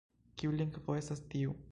Kiu lingvo estas tiu?